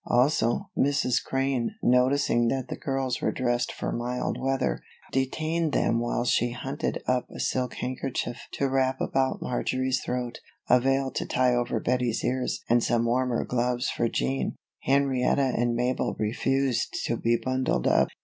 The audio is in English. Also, Mrs. Crane, noticing that the girls were dressed for mild weather, detained them while she hunted up a silk handkerchief to wrap about Marjory's throat, a veil to tie over Bettie's ears and some warmer gloves for Jean. Henrietta and Mabel refused to be bundled up.